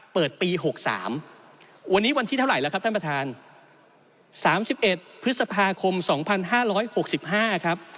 เปิดปี๖๓วันนี้วันที่เท่าไหร่แล้วครับท่านประธาน๓๑พฤษภาคม๒๕๖๕ครับ